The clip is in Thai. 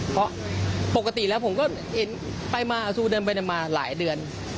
เพราะปกติแล้วผมก็ไปมาอสุเดินมาหลายเดือน